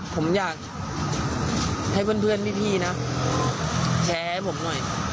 ผมอยากให้เพื่อนพี่นะแชร์ให้ผมหน่อย